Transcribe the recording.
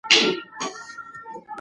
د روغتیا لپاره ترکاري ضروري ده.